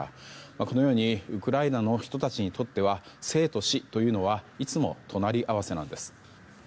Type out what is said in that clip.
このようにウクライナの人たちにとっては生と死というのはいつも隣り合わせなんです。